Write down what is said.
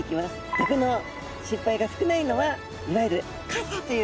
毒の心配が少ないのはいわゆる傘という部分なんですね。